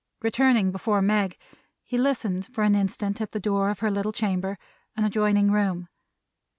Returning before Meg, he listened for an instant at the door of her little chamber; an adjoining room.